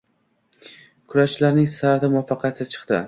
Kurashchilarning starti muvaffaqiyatsiz chiqdi